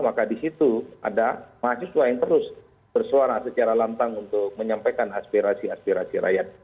maka di situ ada mahasiswa yang terus bersuara secara lantang untuk menyampaikan aspirasi aspirasi rakyat